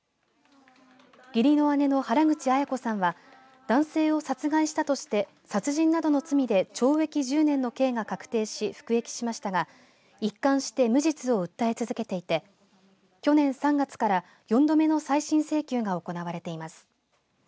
義理の姉の原口アヤ子さんは男性を殺害したとして殺人などの罪で懲役１０年の刑が確定し服役しましたが一貫して無実を訴え続けていて去年３月から４度目の再審請求が行われています。